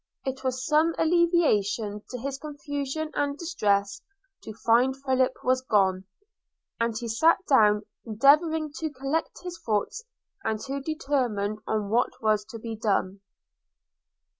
It was some alleviation to his confusion and distress to find Philip was gone; and he sat down, endeavouring to collect his thoughts, and to determine on what was to be done.